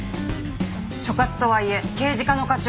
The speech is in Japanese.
所轄とはいえ刑事課の課長。